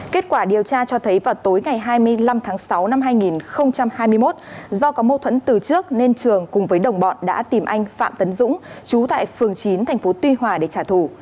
kết quả điều tra cho thấy vào tối ngày hai mươi năm tháng sáu năm hai nghìn hai mươi một do có mâu thuẫn từ trước nên trường cùng với đồng bọn đã tìm anh phạm tấn dũng chú tại phường chín tp tuy hòa để trả thù